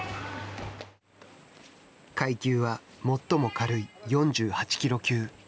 階級は最も軽い４８キロ級。